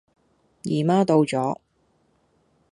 姨媽到左